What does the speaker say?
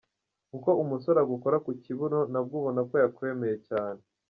Uko umusore agukora kukibuno nabwo ubona ko yakwemeye cyane.